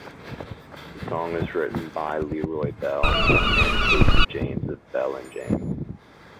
The song was written by LeRoy Bell and Casey James of Bell and James.